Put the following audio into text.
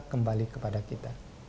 kembali kepada kita